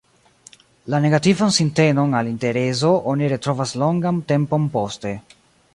La negativan sintenon al interezo oni retrovas longan tempon poste.